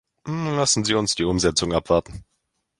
Lassen Sie uns die Umsetzung abwarten.